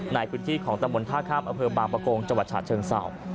ในพื้นที่ของตะมนต์๕ครับอเผลอบางปะโกงจังหวัดชาติเชิงเศร้า